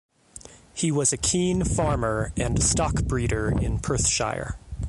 He was a keen farmer and stock breeder in Perthshire.